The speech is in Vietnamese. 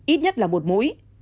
ít nhất là một mũi